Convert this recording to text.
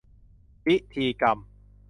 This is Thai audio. พิธีกรรม